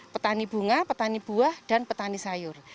petani bunga petani buah dan petani sayur